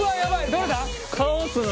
どれだ？